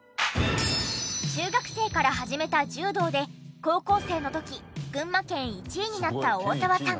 中学生から始めた柔道で高校生の時群馬県１位になった大澤さん。